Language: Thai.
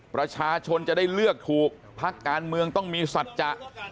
ประชาชนจะได้เลือกถูกพักการเมืองต้องมีสัจจะ